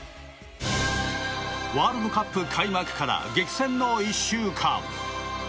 ワールドカップ開幕から激戦の１週間。